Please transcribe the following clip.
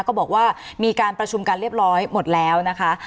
ก็บอกว่ามีการประชุมกันเรียบร้อยหมดแล้วนะคะ